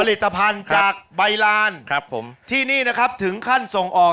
ผลิตภัณฑ์จากใบลานครับผมที่นี่นะครับถึงขั้นส่งออก